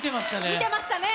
見てましたね。